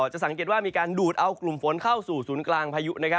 จะสังเกตว่ามีการดูดเอากลุ่มฝนเข้าสู่ศูนย์กลางพายุ